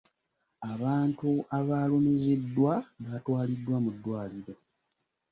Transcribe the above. Abantu abaalumiziddwa baatwaliddwa mu ddwaliro.